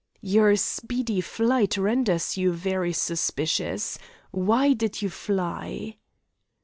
"Your speedy flight renders you very suspicious. Why did you fly?"